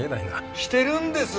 してるんです！